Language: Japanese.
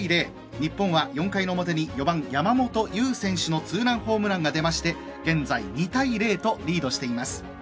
日本は４回の表に４番の山本優選手のツーランホームランがでまして現在２対０とリードしています。